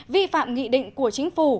vi phạm nghị định của chính phủ tham mưu